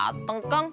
saya baru datang kang